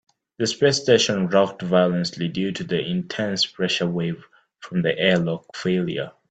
The space station rocked violently due to the intense pressure wave from the airlock failure.